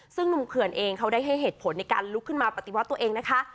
ซึ่งหนุ่มเขื่อนเองเขาได้ให้เหตุผลในการลุกขึ้นมาปฏิวัติตัวเองนะคะ